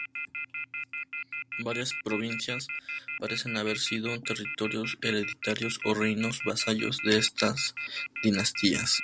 Varias provincias parecen haber sido territorios hereditarios o reinos vasallos de estas dinastías.